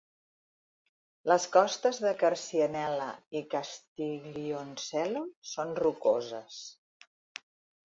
Les costes de Quercianella i Castiglioncello són rocoses.